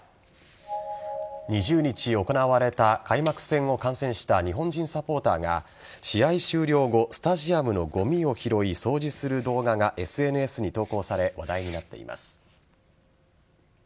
２０日行われた開幕戦を観戦した日本人サポーターが試合終了後スタジアムのごみを拾い掃除する動画がＳＮＳに投稿され話題になっています。